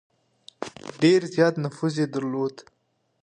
ډېر زیات نفوذ یې درلود.